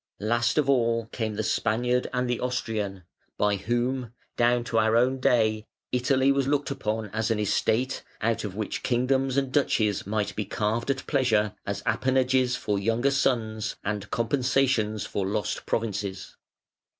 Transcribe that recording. Last of all came the Spaniard and the Austrian, by whom, down to our own day, Italy was looked upon as an estate, out of which kingdoms and duchies might be carved at pleasure as appanages for younger sons and compensations for lost provinces.